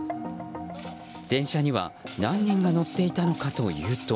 電車には何人が乗っていたのかというと